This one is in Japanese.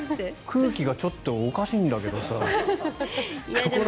空気がちょっとおかしいんだけどさって。